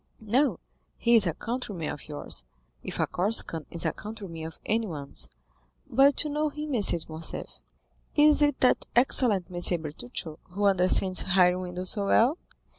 "No, he is a countryman of yours, if a Corsican is a countryman of anyone's. But you know him, M. de Morcerf." "Is it that excellent M. Bertuccio, who understands hiring windows so well?"